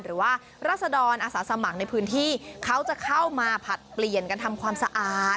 หรือว่ารัศดรอาสาสมัครในพื้นที่เขาจะเข้ามาผลัดเปลี่ยนกันทำความสะอาด